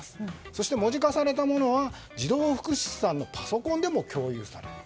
そして文字化されたものは児童福祉司さんのパソコンでも共有される。